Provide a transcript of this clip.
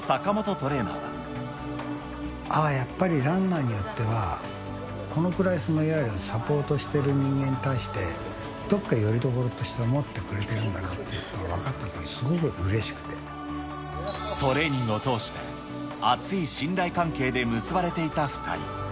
ああ、やっぱりランナーによっては、このくらい、いわゆるサポートしている人間に対して、どっかよりどころとして思ってくれてるんだなというのが分かったトレーニングを通して、厚い信頼関係で結ばれていた２人。